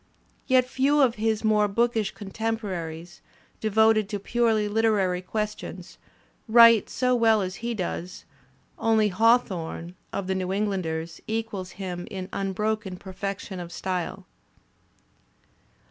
Yet few of his more bookish contemporaries, devoted to purely Uterary questions, write so well as he does; only Haw thorne, of the New Englanders, equals him in unbroken perfection of style.